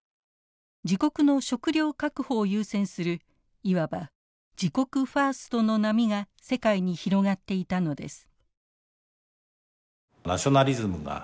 自国の食料確保を優先するいわば自国ファーストの波が世界に広がっていたのです。